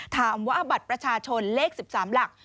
ถามว่าบัตรประชาชนเลข๑๓หลัก